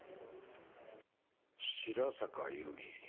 白坂由美。